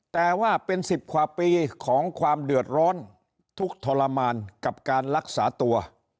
แต่ว่าเป็น๑๐กว่าปีของความเดือดร้อนทุกข์ทรมานกับการรักษาตัว